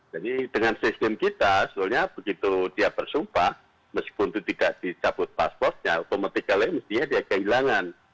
jadi dengan sistem kita soalnya begitu dia bersumpah meskipun itu tidak dicabut pasportnya komitik kalian mestinya dia kehilangan